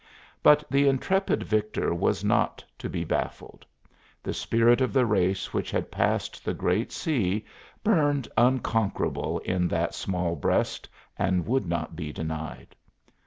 But the intrepid victor was not to be baffled; the spirit of the race which had passed the great sea burned unconquerable in that small breast and would not be denied.